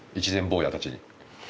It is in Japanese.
１年坊やたちに。